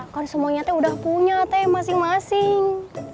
kan semuanya teh udah punya teh masing masing